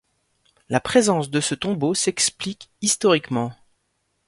La présence de ce tombeau s'explique historiquement.